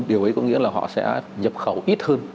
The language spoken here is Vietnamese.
điều ấy có nghĩa là họ sẽ nhập khẩu ít hơn